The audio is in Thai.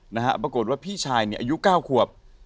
นะฮะปรากฏว่าพี่ชายนี่อายุ๙ขวบ